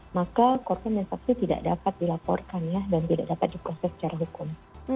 maka korban dan saksi tidak dapat dilaporkan ya dan tidak dapat diproses secara hukum